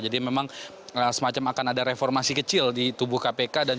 jadi memang semacam akan ada reformasi kecil di tubuh kpk dan juga lembaga lembaga terkait ini